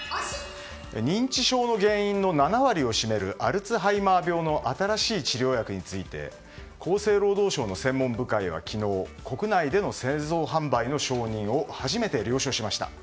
認知症の原因の７割を占めるアルツハイマー病の新しい治療薬について厚生労働省の専門部会は昨日国内での製造・販売の承認を初めて了承しました。